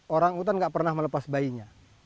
orangutan gak pernah melepas bayinya